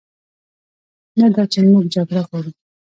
نه دا چې موږ جګړه غواړو،